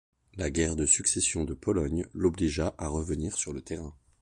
La guerre de Succession de Pologne l'obligea à revenir sur le terrain.